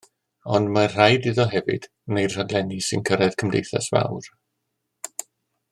Ond mae'n rhaid iddo hefyd wneud rhaglenni sy'n cyrraedd cymdeithas fawr.